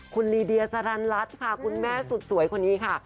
คุณลีเดียสรรรัสค่ะคุณแม่สุดสวยคนนี้ค่ะ